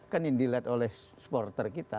kan yang dilihat oleh supporter kita